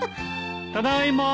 ただいま。